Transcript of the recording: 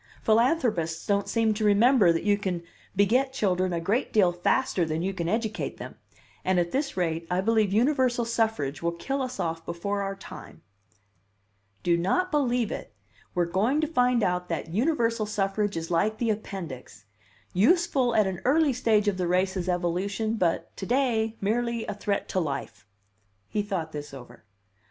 Philanthropists don't seem to remember that you can beget children a great deal faster than you can educate them; and at this rate I believe universal suffrage will kill us off before our time." "Do not believe it! We are going to find out that universal suffrage is like the appendix useful at an early stage of the race's evolution but to day merely a threat to life." He thought this over.